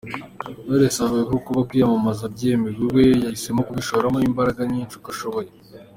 Knowless avuga ko kuba kwiyamamaza byemewe we yahisemo kubishoramo imbaraga nyinshi uko ashoboye.